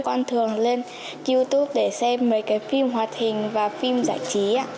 con thường lên youtube để xem mấy cái phim hoạt hình và phim giải trí ạ